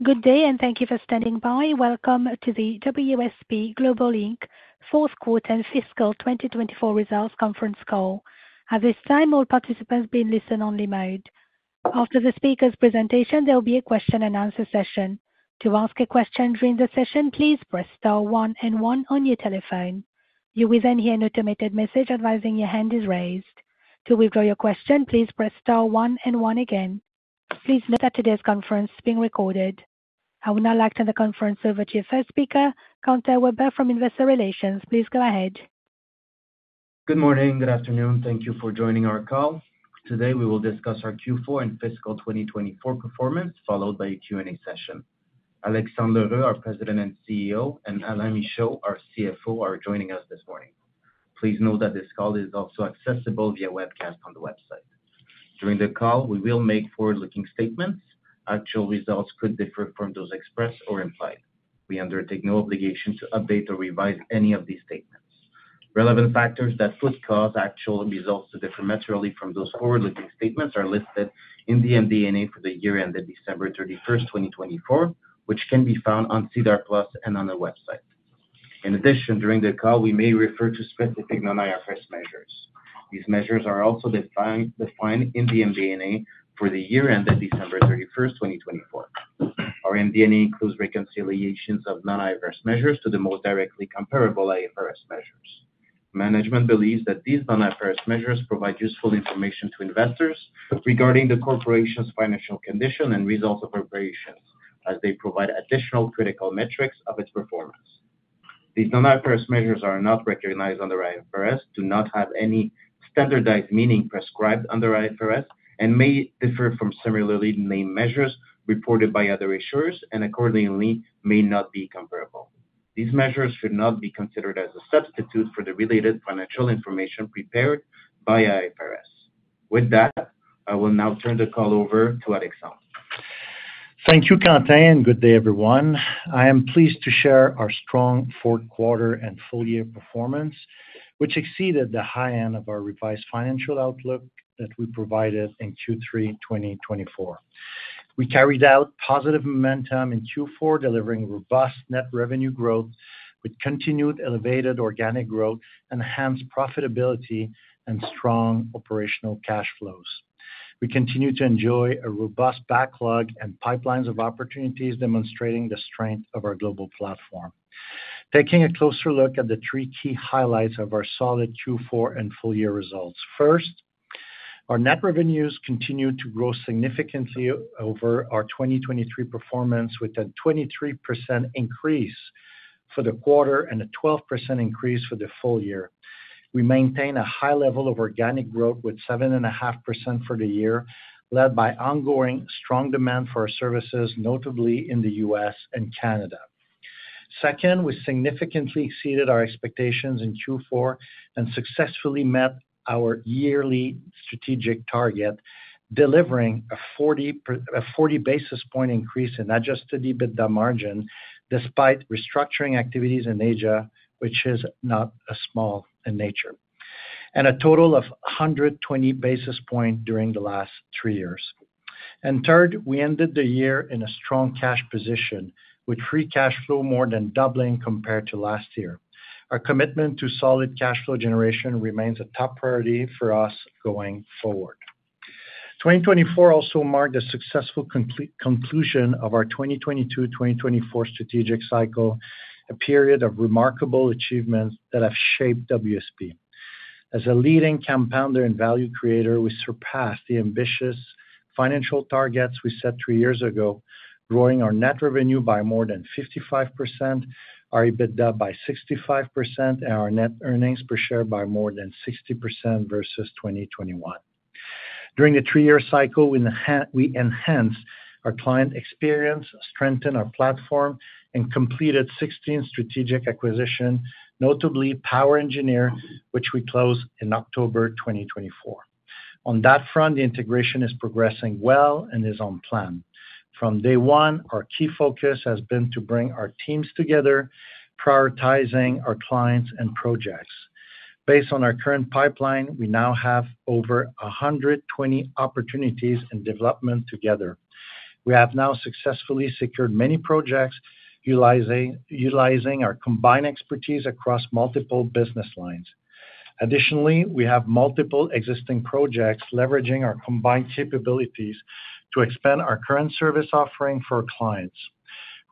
Good day, and thank you for standing by. Welcome to the WSP Global Inc. Fourth Quarter Fiscal 2024 Results Conference Call. At this time, all participants are in listen-only mode. After the speaker's presentation, there will be a question-and-answer session. To ask a question during the session, please press star one and one on your telephone. You will then hear an automated message advising your hand is raised. To withdraw your question, please press star one and one again. Please note that today's conference is being recorded. I will now turn the conference over to your first speaker, Quentin Weber from Investor Relations. Please go ahead. Good morning, good afternoon. Thank you for joining our call. Today, we will discuss our Q4 and fiscal 2024 performance, followed by a Q&A session. Alexandre L’Heureux, our President and CEO, and Alain Michaud, our CFO, are joining us this morning. Please note that this call is also accessible via webcast on the website. During the call, we will make forward-looking statements. Actual results could differ from those expressed or implied. We undertake no obligation to update or revise any of these statements. Relevant factors that could cause actual results to differ materially from those forward-looking statements are listed in the MD&A for the year ended December 31st, 2024, which can be found on SEDAR+ and on the website. In addition, during the call, we may refer to specific non-IFRS measures. These measures are also defined in the MD&A for the year ended December 31st, 2024. Our MD&A includes reconciliations of non-IFRS measures to the most directly comparable IFRS measures. Management believes that these non-IFRS measures provide useful information to investors regarding the corporation's financial condition and results of operations, as they provide additional critical metrics of its performance. These non-IFRS measures are not recognized under IFRS, do not have any standardized meaning prescribed under IFRS, and may differ from similarly named measures reported by other issuers, and accordingly, may not be comparable. These measures should not be considered as a substitute for the related financial information prepared by IFRS. With that, I will now turn the call over to Alexandre. Thank you, Quentin, and good day, everyone. I am pleased to share our strong fourth quarter and full-year performance, which exceeded the high end of our revised financial outlook that we provided in Q3, 2024. We carried out positive momentum in Q4, delivering robust net revenue growth with continued elevated organic growth, enhanced profitability, and strong operational cash flows. We continue to enjoy a robust backlog and pipelines of opportunities, demonstrating the strength of our global platform. Taking a closer look at the three key highlights of our solid Q4 and full-year results. First, our net revenues continue to grow significantly over our 2023 performance, with a 23% increase for the quarter and a 12% increase for the full year. We maintain a high level of organic growth, with 7.5% for the year, led by ongoing strong demand for our services, notably in the US and Canada. Second, we significantly exceeded our expectations in Q4 and successfully met our yearly strategic target, delivering a 40 basis point increase in adjusted EBITDA margin despite restructuring activities in Asia, which is not small in nature, and a total of 120 basis points during the last three years. And third, we ended the year in a strong cash position, with free cash flow more than doubling compared to last year. Our commitment to solid cash flow generation remains a top priority for us going forward. 2024 also marked a successful conclusion of our 2022 - 2024 strategic cycle, a period of remarkable achievements that have shaped WSP. As a leading compounder and value creator, we surpassed the ambitious financial targets we set three years ago, growing our net revenue by more than 55%, our EBITDA by 65%, and our net earnings per share by more than 60% versus 2021. During the three-year cycle, we enhanced our client experience, strengthened our platform, and completed 16 strategic acquisitions, notably POWER Engineers, which we closed in October 2024. On that front, the integration is progressing well and is on plan. From day one, our key focus has been to bring our teams together, prioritizing our clients and projects. Based on our current pipeline, we now have over 120 opportunities in development together. We have now successfully secured many projects, utilizing our combined expertise across multiple business lines. Additionally, we have multiple existing projects leveraging our combined capabilities to expand our current service offering for clients.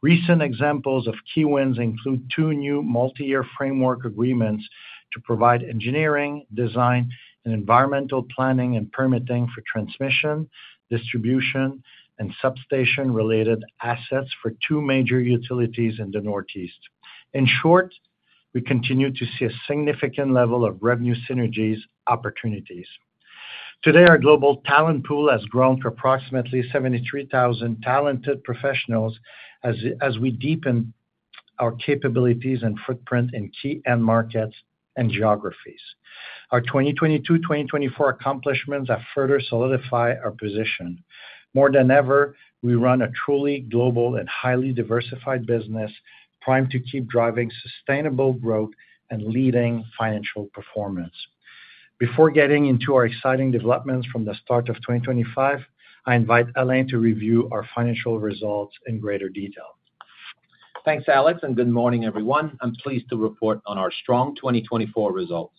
Recent examples of key wins include two new multi-year framework agreements to provide engineering, design, and environmental planning and permitting for transmission, distribution, and substation-related assets for two major utilities in the Northeast. In short, we continue to see a significant level of revenue synergies opportunities. Today, our global talent pool has grown to approximately 73,000 talented professionals as we deepen our capabilities and footprint in key end markets and geographies. Our 2022 - 2024 accomplishments further solidify our position. More than ever, we run a truly global and highly diversified business, primed to keep driving sustainable growth and leading financial performance. Before getting into our exciting developments from the start of 2025, I invite Alain to review our financial results in greater detail. Thanks, Alex, and good morning, everyone. I'm pleased to report on our strong 2024 results.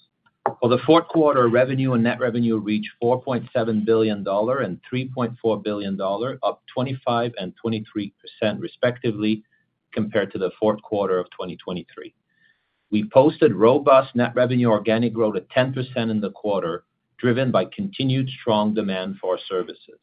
For the fourth quarter, revenue and net revenue reached 4.7 billion dollar and 3.4 billion dollar, up 25% and 23% respectively compared to the fourth quarter of 2023. We posted robust net revenue organic growth at 10% in the quarter, driven by continued strong demand for our services.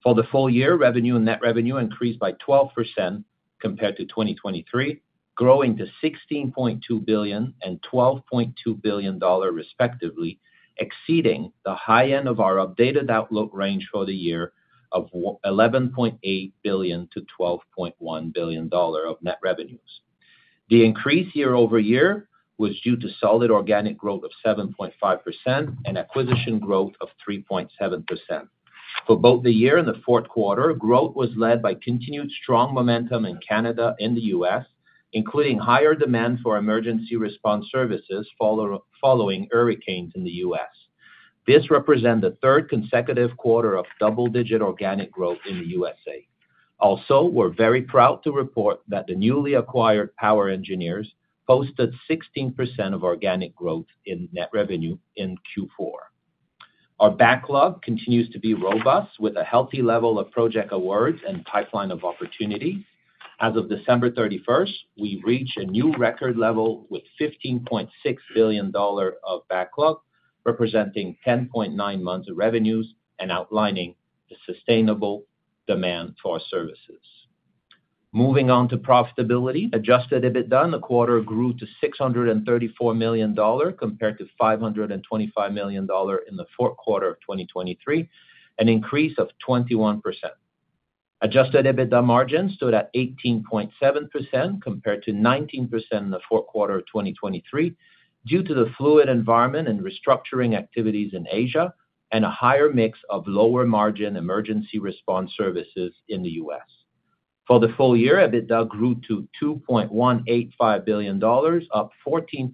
For the full year, revenue and net revenue increased by 12% compared to 2023, growing to 16.2 billion and 12.2 billion dollar respectively, exceeding the high end of our updated outlook range for the year of 11.8 billion-12.1 billion dollar of net revenues. The increase year over year was due to solid organic growth of 7.5% and acquisition growth of 3.7%. For both the year and the fourth quarter, growth was led by continued strong momentum in Canada and the US, including higher demand for emergency response services following hurricanes in the US. This represents the third consecutive quarter of double-digit organic growth in the USA. Also, we're very proud to report that the newly acquired POWER Engineers posted 16% organic growth in net revenue in Q4. Our backlog continues to be robust, with a healthy level of project awards and pipeline of opportunities. As of December 31st, we reach a new record level with $15.6 billion of backlog, representing 10.9 months of revenues and outlining the sustainable demand for our services. Moving on to profitability, Adjusted EBITDA in the quarter grew to $634 million compared to $525 million in the fourth quarter of 2023, an increase of 21%. Adjusted EBITDA margin stood at 18.7% compared to 19% in the fourth quarter of 2023, due to the fluid environment and restructuring activities in Asia and a higher mix of lower margin emergency response services in the US. For the full year, EBITDA grew to 2.185 billion dollars, up 14%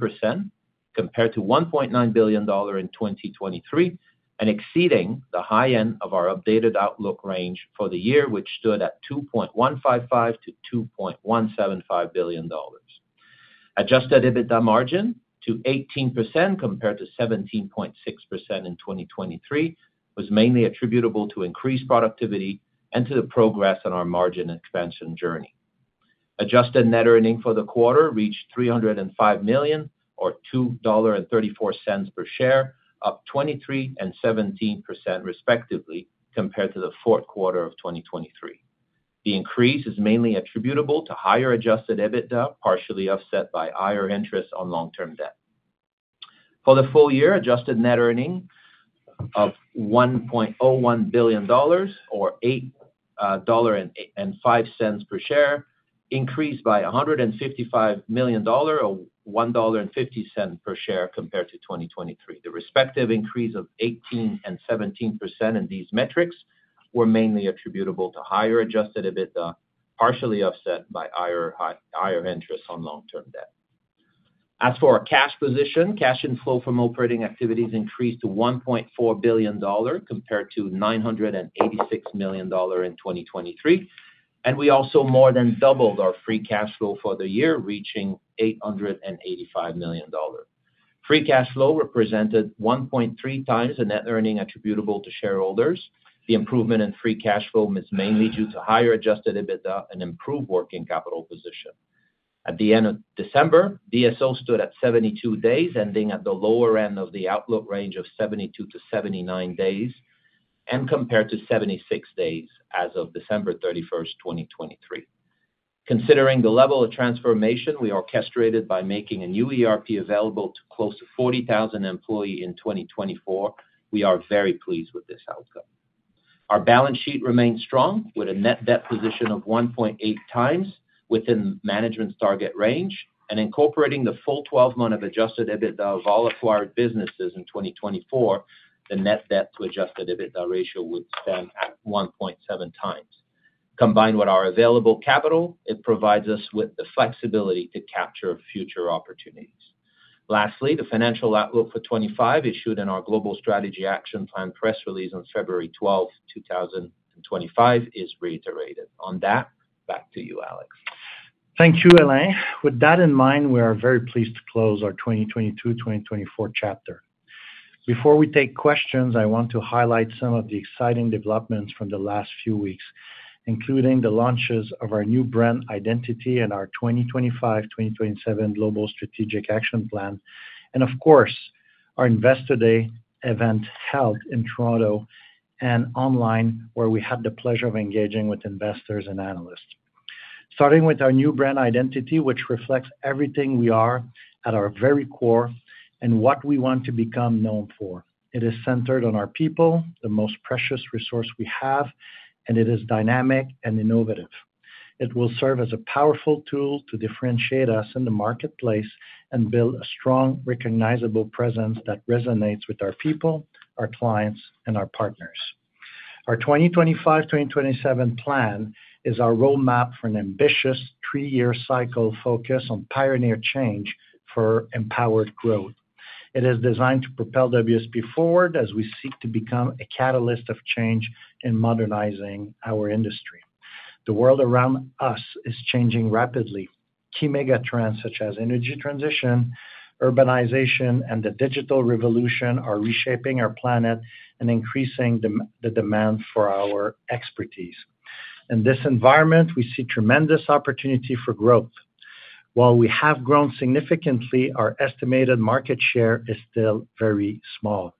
compared to 1.9 billion dollar in 2023, and exceeding the high end of our updated outlook range for the year, which stood at 2.155 billion-2.175 billion dollars. Adjusted EBITDA margin to 18% compared to 17.6% in 2023 was mainly attributable to increased productivity and to the progress on our margin expansion journey. Adjusted net earnings for the quarter reached 305 million, or $2.34 per share, up 23% and 17% respectively compared to the fourth quarter of 2023. The increase is mainly attributable to higher adjusted EBITDA, partially offset by higher interest on long-term debt. For the full year, adjusted net earnings of CAD 1.01 billion, or $8.05 per share, increased by 155 million dollar, or $1.50 per share compared to 2023. The respective increase of 18% and 17% in these metrics were mainly attributable to higher adjusted EBITDA, partially offset by higher interest on long-term debt. As for our cash position, cash inflow from operating activities increased to 1.4 billion dollar compared to 986 million dollar in 2023, and we also more than doubled our free cash flow for the year, reaching 885 million dollars. Free cash flow represented 1.3 times the net earnings attributable to shareholders. The improvement in free cash flow is mainly due to higher adjusted EBITDA and improved working capital position. At the end of December, DSO stood at 72 days, ending at the lower end of the outlook range of 72 - 79 days and compared to 76 days as of December 31st, 2023. Considering the level of transformation we orchestrated by making a new ERP available to close to 40,000 employees in 2024, we are very pleased with this outcome. Our balance sheet remained strong, with a net debt position of 1.8 times within management's target range, and incorporating the full 12 months of Adjusted EBITDA of all acquired businesses in 2024, the net debt to Adjusted EBITDA ratio would stand at 1.7 times. Combined with our available capital, it provides us with the flexibility to capture future opportunities. Lastly, the financial outlook for 2025, issued in our Global Strategic Action Plan press release on February 12th, 2025, is reiterated. On that, back to you, Alex. Thank you, Alain. With that in mind, we are very pleased to close our 2022 - 2024 chapter. Before we take questions, I want to highlight some of the exciting developments from the last few weeks, including the launches of our new brand identity and our 2025 - 2027 Global Strategic Action Plan, and of course, our Investor Day event held in Toronto and online, where we had the pleasure of engaging with investors and analysts. Starting with our new brand identity, which reflects everything we are at our very core and what we want to become known for, it is centered on our people, the most precious resource we have, and it is dynamic and innovative. It will serve as a powerful tool to differentiate us in the marketplace and build a strong, recognizable presence that resonates with our people, our clients, and our partners. Our 2025 - 2027 plan is our roadmap for an ambitious three-year cycle focused on pioneer change for empowered growth. It is designed to propel WSP forward as we seek to become a catalyst of change in modernizing our industry. The world around us is changing rapidly. Key megatrends such as energy transition, urbanization, and the digital revolution are reshaping our planet and increasing the demand for our expertise. In this environment, we see tremendous opportunity for growth. While we have grown significantly, our estimated market share is still very small.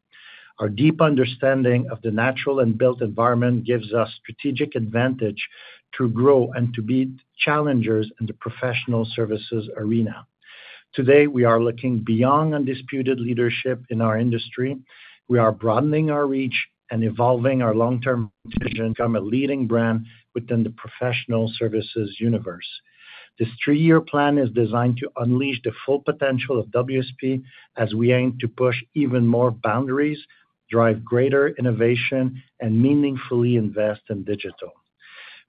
Our deep understanding of the natural and built environment gives us strategic advantage to grow and to be challengers in the professional services arena. Today, we are looking beyond undisputed leadership in our industry. We are broadening our reach and evolving our long-term vision to become a leading brand within the professional services universe. This three-year plan is designed to unleash the full potential of WSP as we aim to push even more boundaries, drive greater innovation, and meaningfully invest in digital.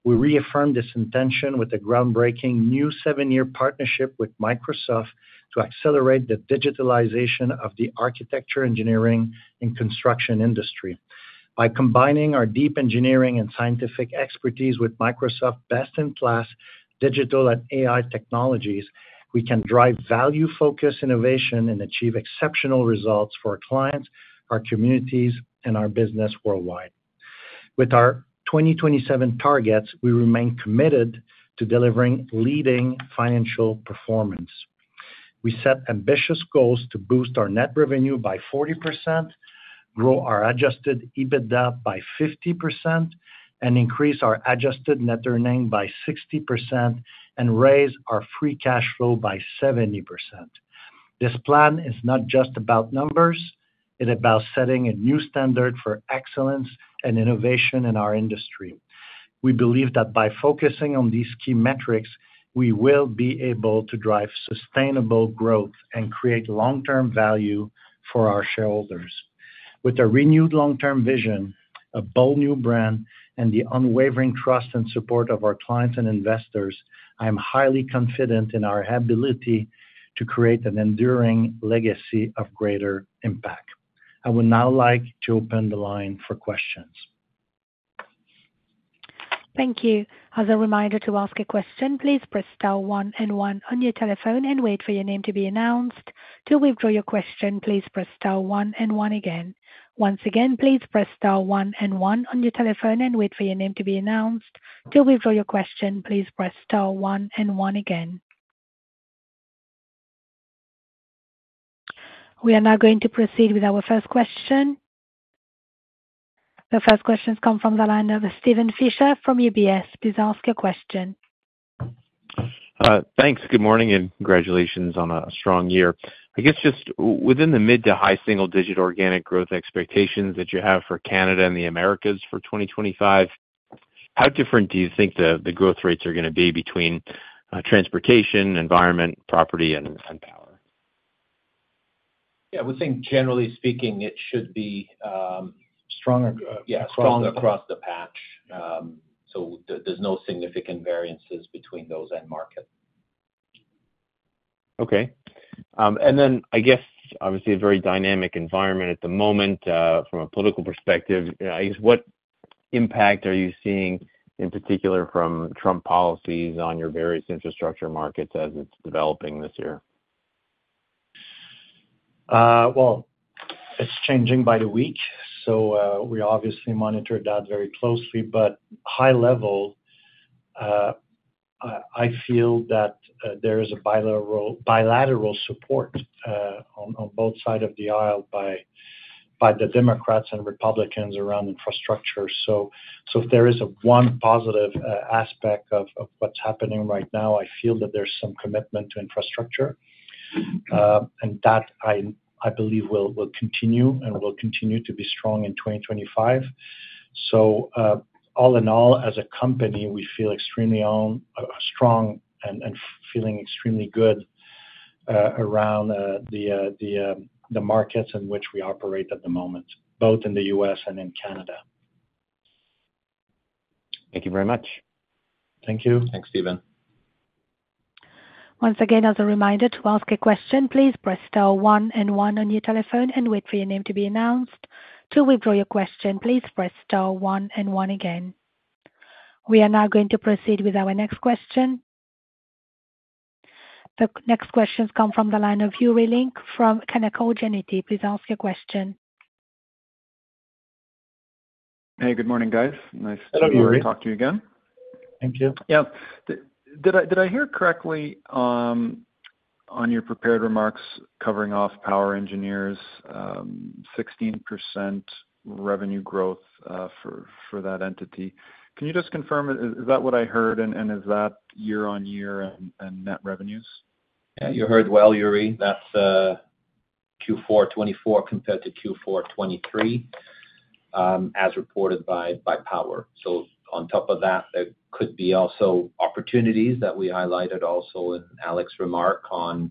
We reaffirm this intention with a groundbreaking new seven-year partnership with Microsoft to accelerate the digitalization of the architecture, engineering, and construction industry. By combining our deep engineering and scientific expertise with Microsoft's best-in-class digital and AI technologies, we can drive value-focused innovation and achieve exceptional results for our clients, our communities, and our business worldwide. With our 2027 targets, we remain committed to delivering leading financial performance. We set ambitious goals to boost our net revenue by 40%, grow our adjusted EBITDA by 50%, and increase our adjusted net earnings by 60%, and raise our free cash flow by 70%. This plan is not just about numbers. It's about setting a new standard for excellence and innovation in our industry. We believe that by focusing on these key metrics, we will be able to drive sustainable growth and create long-term value for our shareholders. With a renewed long-term vision, a bold new brand, and the unwavering trust and support of our clients and investors, I am highly confident in our ability to create an enduring legacy of greater impact. I would now like to open the line for questions. Thank you. As a reminder to ask a question, please press star one and one on your telephone and wait for your name to be announced. To withdraw your question, please press star one and one again. Once again, please press star one and one on your telephone and wait for your name to be announced. To withdraw your question, please press star one and one again. We are now going to proceed with our first question. The first question has come from the line of Steven Fisher from UBS. Please ask your question. Thanks. Good morning and congratulations on a strong year. I guess just within the mid to high single-digit organic growth expectations that you have for Canada and the Americas for 2025, how different do you think the growth rates are going to be between transportation, environment, property, and power? Yeah, I would think, generally speaking, it should be strong across the board. So there's no significant variances between those end markets. Okay. And then, I guess, obviously, a very dynamic environment at the moment from a political perspective. I guess, what impact are you seeing, in particular, from Trump policies on your various infrastructure markets as it's developing this year? It's changing by the week. So we obviously monitor that very closely. But high level, I feel that there is bilateral support on both sides of the aisle by the Democrats and Republicans around infrastructure. So if there is one positive aspect of what's happening right now, I feel that there's some commitment to infrastructure, and that, I believe, will continue and will continue to be strong in 2025. So all in all, as a company, we feel extremely strong and feeling extremely good around the markets in which we operate at the moment, both in the U.S. and in Canada. Thank you very much. Thank you. Thanks, Stephen. Once again, as a reminder to ask a question, please press star one and one on your telephone and wait for your name to be announced. To withdraw your question, please press star one and one again. We are now going to proceed with our next question. The next question has come from the line of Yuri Lynk from Canaccord Genuity. Please ask your question. Hey, good morning, guys. Nice to talk to you again. Thank you. Yeah. Did I hear correctly on your prepared remarks covering off POWER Engineers, 16% revenue growth for that entity? Can you just confirm, is that what I heard, and is that year-on-year and net revenues? Yeah, you heard well, Yuri. That's Q4 2024 compared to Q4 2023, as reported by POWER. So on top of that, there could be also opportunities that we highlighted also in Alex's remark on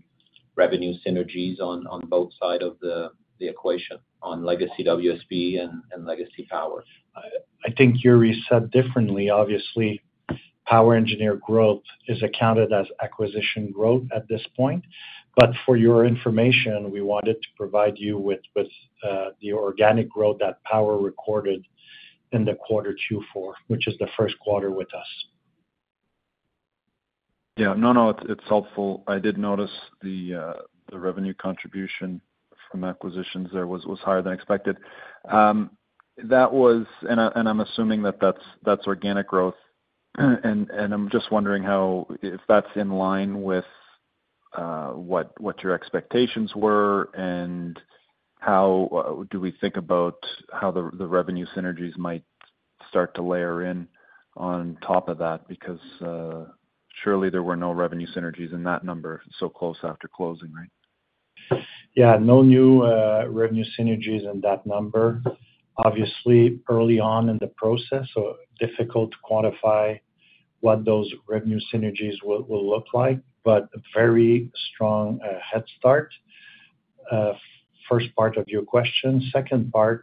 revenue synergies on both sides of the equation on legacy WSP and legacy POWER. I think Yuri said differently. Obviously, POWER Engineers growth is accounted as acquisition growth at this point. But for your information, we wanted to provide you with the organic growth that POWER Engineers recorded in the quarter Q4, which is the first quarter with us. Yeah. No, no, it's helpful. I did notice the revenue contribution from acquisitions there was higher than expected. And I'm assuming that that's organic growth. And I'm just wondering if that's in line with what your expectations were and how do we think about how the revenue synergies might start to layer in on top of that, because surely there were no revenue synergies in that number so close after closing, right? Yeah, no new revenue synergies in that number. Obviously, early on in the process, so difficult to quantify what those revenue synergies will look like, but a very strong head start. First part of your question. Second part,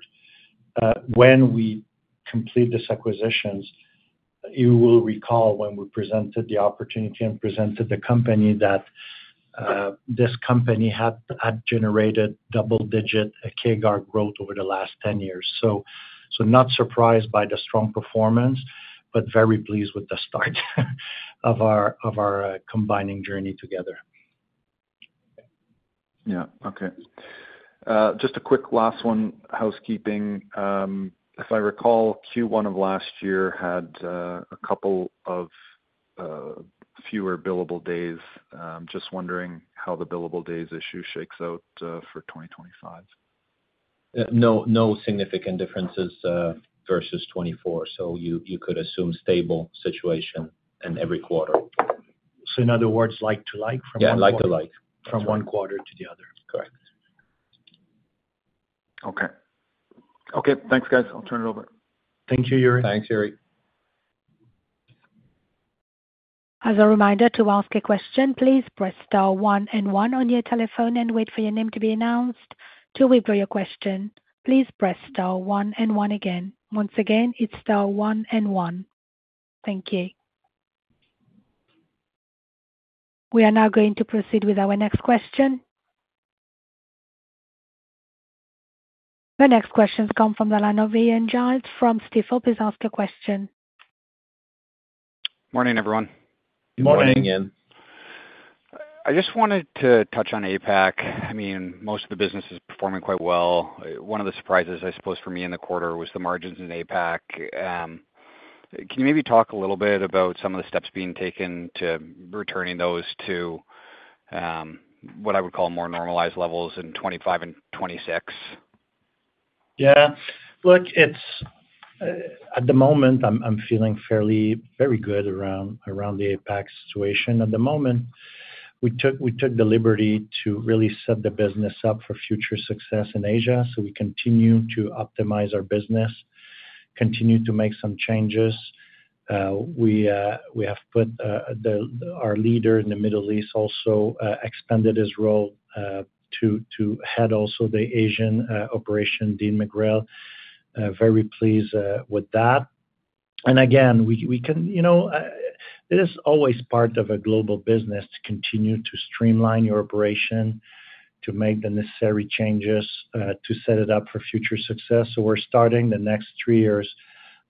when we complete these acquisitions, you will recall when we presented the opportunity and presented the company that this company had generated double-digit CAGR growth over the last 10 years, so not surprised by the strong performance, but very pleased with the start of our combining journey together. Yeah. Okay. Just a quick last one, housekeeping. If I recall, Q1 of last year had a couple of fewer billable days. Just wondering how the billable days issue shakes out for 2025. No significant differences versus 2024, so you could assume stable situation in every quarter. In other words, like to like from one quarter. Yeah, like to like. From one quarter to the other. Correct. Okay. Okay. Thanks, guys. I'll turn it over. Thank you, Yuri. Thanks, Yuri. As a reminder to ask a question, please press star one and one on your telephone and wait for your name to be announced. To withdraw your question, please press star one and one again. Once again, it's star one and one. Thank you. We are now going to proceed with our next question. The next question has come from the line of Ian Gillies from Stifel. Please ask your question. Morning, everyone. Good morning. Morning again. I just wanted to touch on APAC. I mean, most of the business is performing quite well. One of the surprises, I suppose, for me in the quarter was the margins in APAC. Can you maybe talk a little bit about some of the steps being taken to returning those to what I would call more normalized levels in 2025 and 2026? Yeah. Look, at the moment, I'm feeling fairly good around the APAC situation. At the moment, we took the liberty to really set the business up for future success in Asia, so we continue to optimize our business, continue to make some changes. We have put our leader in the Middle East, also expanded his role to head also the Asian operation, Dean McGrail, very pleased with that, and again, it is always part of a global business to continue to streamline your operation, to make the necessary changes, to set it up for future success, so we're starting the next three years,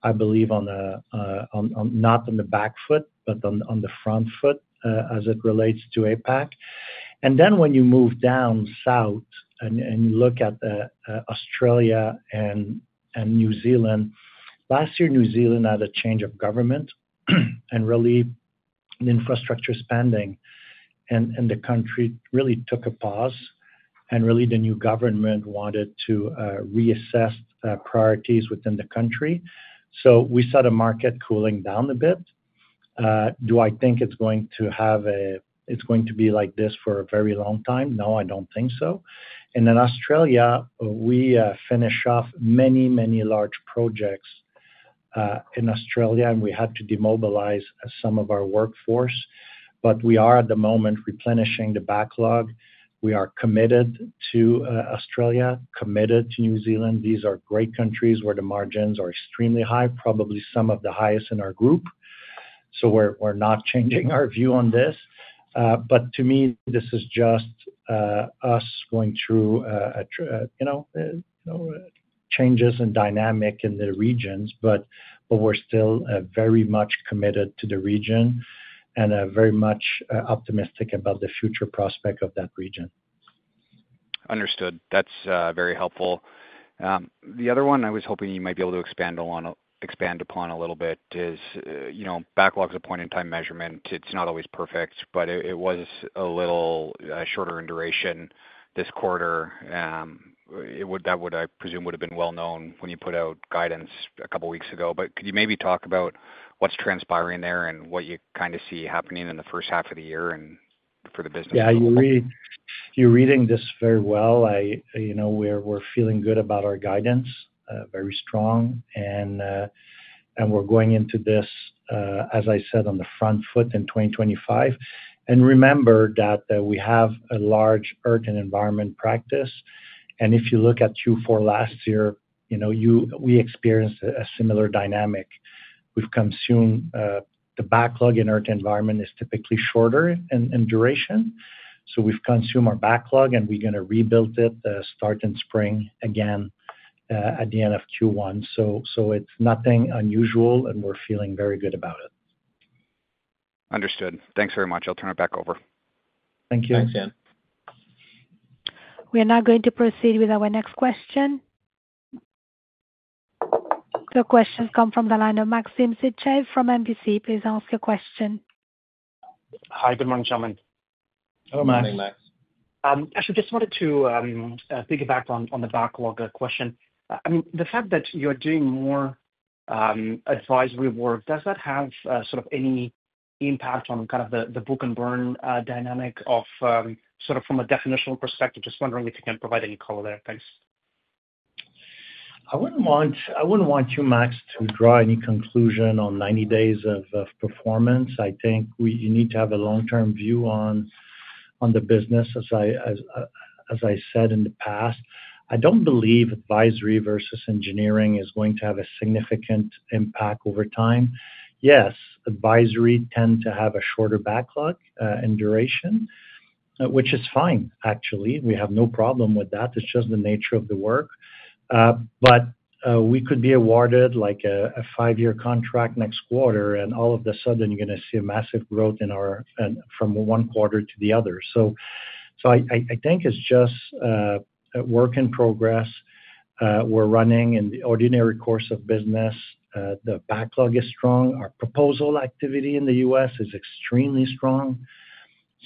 I believe, not on the back foot, but on the front foot as it relates to APAC. Then when you move down south and you look at Australia and New Zealand, last year, New Zealand had a change of government and really the infrastructure spending in the country really took a pause. And really, the new government wanted to reassess priorities within the country. So we saw the market cooling down a bit. Do I think it's going to be like this for a very long time? No, I don't think so. And in Australia, we finished off many, many large projects in Australia, and we had to demobilize some of our workforce. But we are, at the moment, replenishing the backlog. We are committed to Australia, committed to New Zealand. These are great countries where the margins are extremely high, probably some of the highest in our group. So we're not changing our view on this. But to me, this is just us going through changes and dynamics in the regions. But we're still very much committed to the region and very much optimistic about the future prospects of that region. Understood. That's very helpful. The other one I was hoping you might be able to expand upon a little bit is backlog is a point-in-time measurement. It's not always perfect, but it was a little shorter in duration this quarter. That would, I presume, have been well known when you put out guidance a couple of weeks ago. But could you maybe talk about what's transpiring there and what you kind of see happening in the first half of the year for the business? Yeah, Yuri, you're reading this very well. We're feeling good about our guidance, very strong. And we're going into this, as I said, on the front foot in 2025. And remember that we have a large Earth and Environment practice. And if you look at Q4 last year, we experienced a similar dynamic. We've consumed the backlog in Earth and Environment is typically shorter in duration. So we've consumed our backlog, and we're going to rebuild it, start in spring again at the end of Q1. So it's nothing unusual, and we're feeling very good about it. Understood. Thanks very much. I'll turn it back over. Thank you. Thanks, Ian. We are now going to proceed with our next question. The question has come from the line of Maxim Sytchev from National Bank Financial. Please ask your question. Hi, good morning, gentlemen. Hello, Maxim. Good morning, Max. Actually, I just wanted to piggyback on the backlog question. I mean, the fact that you're doing more advisory work, does that have sort of any impact on kind of the book and burn dynamic of sort of from a definitional perspective? Just wondering if you can provide any color there. Thanks. I wouldn't want too much to draw any conclusion on 90 days of performance. I think you need to have a long-term view on the business, as I said in the past. I don't believe advisory versus engineering is going to have a significant impact over time. Yes, advisory tends to have a shorter backlog in duration, which is fine, actually. We have no problem with that. It's just the nature of the work. But we could be awarded a five-year contract next quarter, and all of a sudden, you're going to see a massive growth from one quarter to the other. So I think it's just a work in progress. We're running in the ordinary course of business. The backlog is strong. Our proposal activity in the U.S. is extremely strong.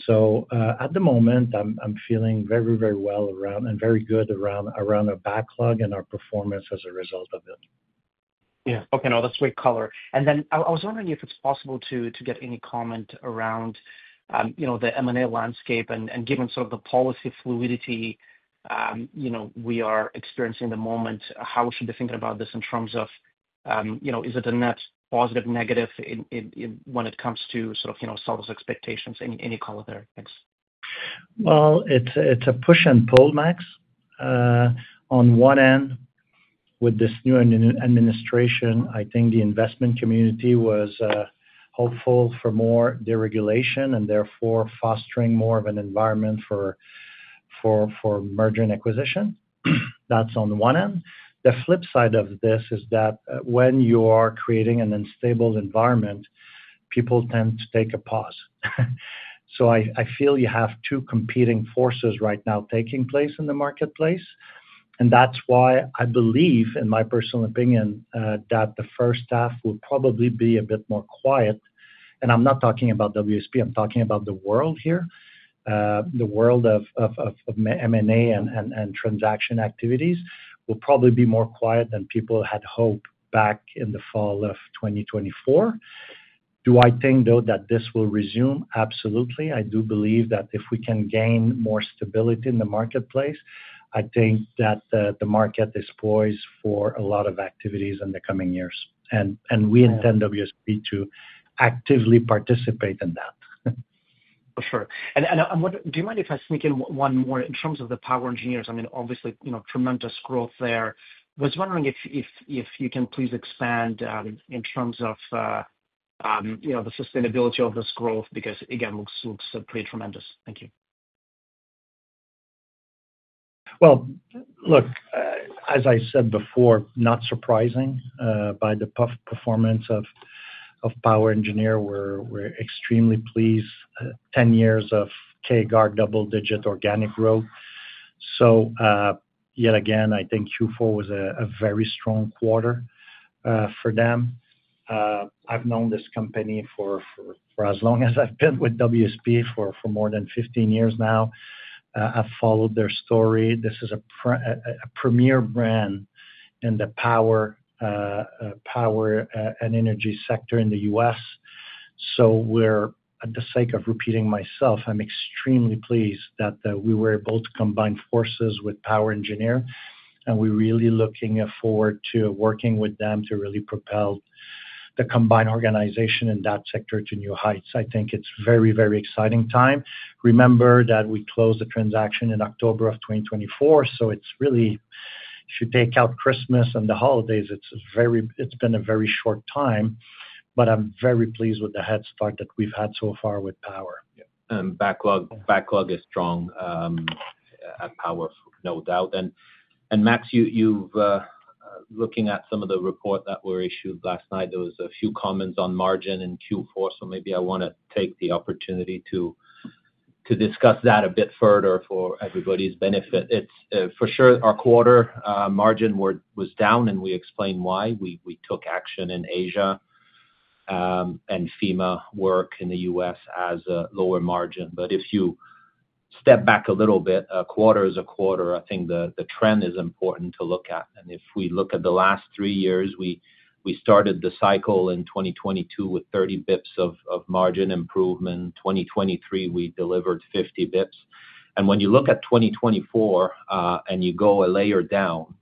At the moment, I'm feeling very, very well around and very good around our backlog and our performance as a result of it. Yeah. Okay. No, that's great color. And then I was wondering if it's possible to get any comment around the M&A landscape and given sort of the policy fluidity we are experiencing at the moment, how should we think about this in terms of is it a net positive, negative when it comes to sort of sellers' expectations? Any color there? Thanks. It's a push and pull, Max. On one end, with this new administration, I think the investment community was hopeful for more deregulation and therefore fostering more of an environment for merger and acquisition. That's on one end. The flip side of this is that when you are creating an unstable environment, people tend to take a pause. So I feel you have two competing forces right now taking place in the marketplace. And that's why I believe, in my personal opinion, that the first half will probably be a bit more quiet. And I'm not talking about WSP. I'm talking about the world here. The world of M&A and transaction activities will probably be more quiet than people had hoped back in the fall of 2024. Do I think, though, that this will resume? Absolutely. I do believe that if we can gain more stability in the marketplace, I think that the market is poised for a lot of activities in the coming years, and we intend WSP to actively participate in that. For sure, and do you mind if I sneak in one more in terms of the POWER Engineers? I mean, obviously, tremendous growth there. I was wondering if you can please expand in terms of the sustainability of this growth because, again, it looks pretty tremendous. Thank you. Look, as I said before, not surprising by the performance of POWER Engineers. We're extremely pleased. 10 years of CAGR double-digit organic growth. So yet again, I think Q4 was a very strong quarter for them. I've known this company for as long as I've been with WSP for more than 15 years now. I've followed their story. This is a premier brand in the power and energy sector in the U.S. So for the sake of repeating myself, I'm extremely pleased that we were able to combine forces with POWER Engineers. And we're really looking forward to working with them to really propel the combined organization in that sector to new heights. I think it's a very, very exciting time. Remember that we closed the transaction in October of 2024. So it's really, if you take out Christmas and the holidays, it's been a very short time. But I'm very pleased with the head start that we've had so far with Power. Yeah. Backlog is strong at Power, no doubt. And Max, looking at some of the report that was issued last night, there were a few comments on margin in Q4. So maybe I want to take the opportunity to discuss that a bit further for everybody's benefit. For sure, our quarter margin was down, and we explained why. We took action in Asia and FEMA work in the US as a lower margin. But if you step back a little bit, quarter is a quarter. I think the trend is important to look at. And if we look at the last three years, we started the cycle in 2022 with 30 basis points of margin improvement. In 2023, we delivered 50 basis points. And when you look at 2024 and you go a layer down,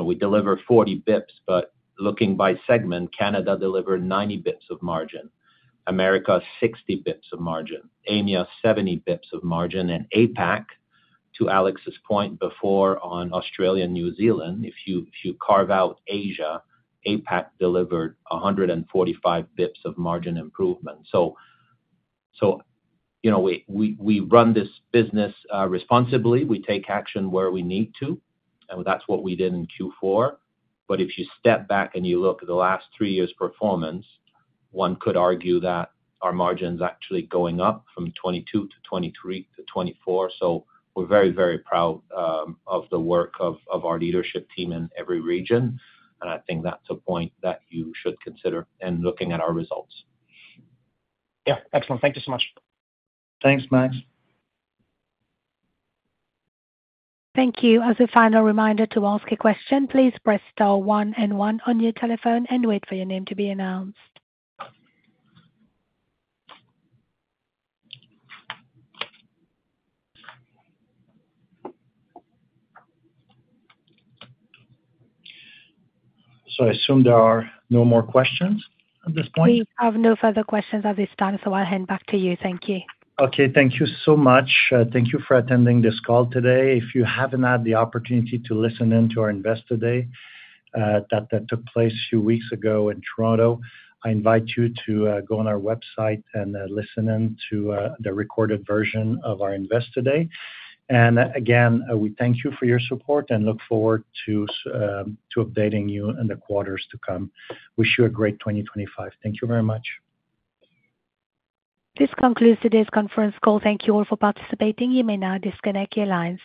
we deliver 40 basis points. But looking by segment, Canada delivered 90 basis points of margin, Americas 60 basis points of margin, EMEIA 70 basis points of margin. And APAC, to Alex's point before, on Australia and New Zealand, if you carve out Asia, APAC delivered 145 basis points of margin improvement. So we run this business responsibly. We take action where we need to. And that's what we did in Q4. But if you step back and you look at the last three years' performance, one could argue that our margin's actually going up from 2022 to 2023 to 2024. So we're very, very proud of the work of our leadership team in every region. And I think that's a point that you should consider in looking at our results. Yeah. Excellent. Thank you so much. Thanks, Max. Thank you. As a final reminder to ask a question, please press star one and one on your telephone and wait for your name to be announced. So I assume there are no more questions at this point? We have no further questions at this time. So I'll hand back to you. Thank you. Okay. Thank you so much. Thank you for attending this call today. If you haven't had the opportunity to listen in to our Investor Day that took place a few weeks ago in Toronto, I invite you to go on our website and listen in to the recorded version of our Investor Day. And again, we thank you for your support and look forward to updating you in the quarters to come. Wish you a great 2025. Thank you very much. This concludes today's conference call. Thank you all for participating. You may now disconnect your lines.